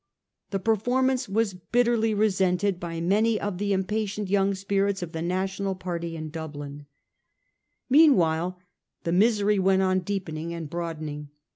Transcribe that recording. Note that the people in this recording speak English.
The performance was resented bitterly by many of the impatient young spirits of the national party in Dublin. Meanwhile the misery went on deepening and broadening.